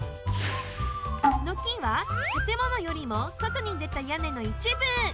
軒はたてものよりもそとにでたやねのいちぶ。